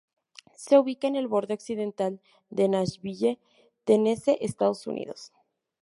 Se ubica en el borde occidental de Nashville, Tennessee, Estados Unidos.